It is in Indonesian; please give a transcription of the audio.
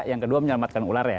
yang kedua menyelamatkan ular ya